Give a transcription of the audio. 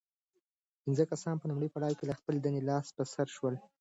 پنځه کسان په لومړي پړاو کې له خپلې دندې لاس په سر شول.